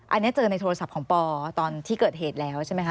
อันนี้เจอในโทรศัพท์ของปอตอนที่เกิดเหตุแล้วใช่ไหมค